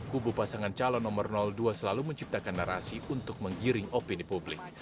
kubu pasangan calon nomor dua selalu menciptakan narasi untuk menggiring opini publik